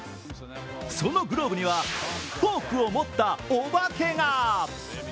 そのグローブにはフォークを持ったお化けが。